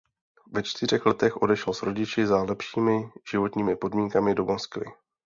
Ve čtyřech letech odešel s rodiči za lepšími životními podmínkami do Moskvy.